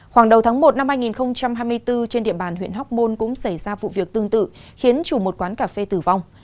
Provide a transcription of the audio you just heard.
khoảng đầu tháng một năm hai nghìn hai mươi bốn trên địa bàn huyện hóc môn cũng xảy ra vụ việc tương tự khiến chủ một quán cà phê tử vong